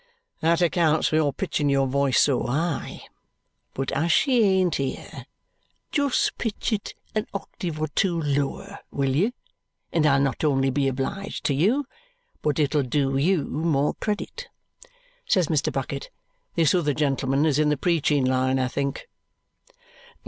"That accounts for your pitching your voice so high. But as she ain't here; just pitch it an octave or two lower, will you, and I'll not only be obliged to you, but it'll do you more credit," says Mr. Bucket. "This other gentleman is in the preaching line, I think?"